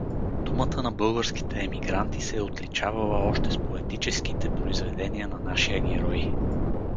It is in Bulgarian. Думата на българските емигранти се е отличавала още с поетическите произведения на нашия герой.